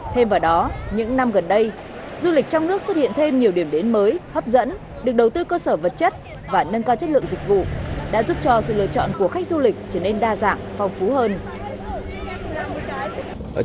thêm vào đó những năm gần đây du lịch trong nước xuất hiện thêm nhiều điểm đến mới hấp dẫn được đầu tư cơ sở vật chất và nâng cao chất lượng dịch vụ đã giúp cho sự lựa chọn của khách du lịch trở nên đa dạng phong phú hơn